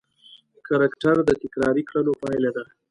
کرکټر د تکراري کړنو پایله ده.